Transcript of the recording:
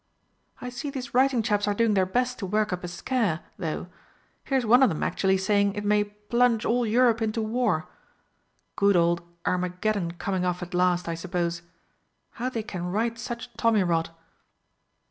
I see these writing chaps are doing their best to work up a scare, though. Here's one of 'em actually saying it may 'plunge all Europe into War.' Good old Armageddon coming off at last, I suppose. How they can write such tommy rot!"